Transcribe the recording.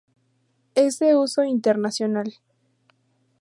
Es de uso internacional.